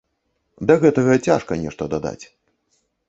Да гэтага цяжка нешта дадаць.